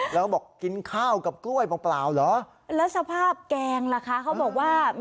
แล้วก็บอกกินข้าวกับกล้วยเปล่าเหรอแล้วสภาพแกงล่ะคะเขาบอกว่า